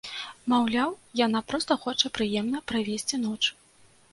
Маўляў, яна проста хоча прыемна правесці ноч.